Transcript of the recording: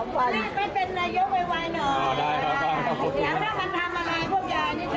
เพิ่มย้อยกลึงก่อ